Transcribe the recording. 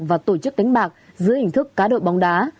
và tổ chức đánh bạc dưới hình thức cá đội bóng đá